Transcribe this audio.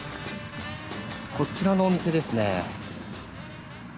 こちらのお店ですね。